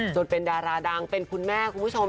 จนเป็นดาราดังเป็นคุณแม่คุณผู้ชม